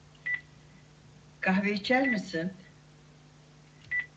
Kahve içer misin?